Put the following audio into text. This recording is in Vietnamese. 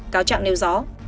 cáo trạng nêu gió